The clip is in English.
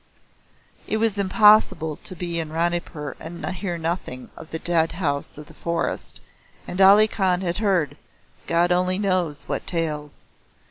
It was impossible to be in Ranipur and hear nothing of the dead house of the forest and Ali Khan had heard God only knows what tales.